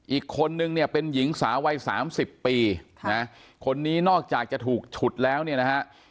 อีกคนนึงเนี่ยเป็นหญิงสาววัยสามสิบปีนะคนนี้นอกจากจะถูกฉุดแล้วเนี่ยนะฮะ